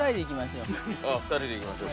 ２人で行きましょう。